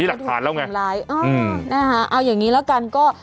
มีหลักฐานแล้วไงอืมนะคะเอาอย่างงี้แล้วกันก็